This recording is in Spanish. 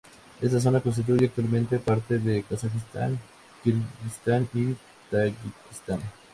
Esta zona constituye actualmente parte de Kazajistán, Kirguistán y Tayikistán.